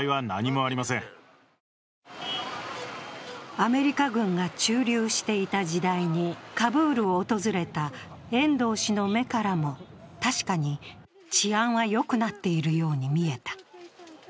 アメリカ軍が駐留していた時代にカブールを訪れた遠藤氏の目からも確かに治安はよくなっているように見えた。